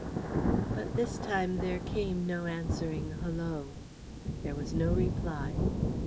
But this time there came no answering "Hollo!" There was no reply.